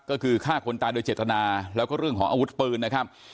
ก็คือฆ่าคนตายโดยเจตนาแล้วก็เรื่องของอาวุธปืนนะครับ